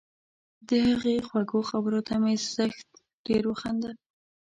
د هغې خوږو خبرو ته مې زښت ډېر وخندل